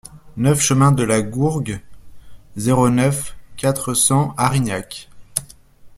neuf chemin de la Gourgue, zéro neuf, quatre cents Arignac